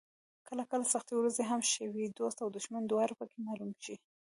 کله کله سختې ورځې هم ښې وي، دوست او دښمن دواړه پکې معلوم شي.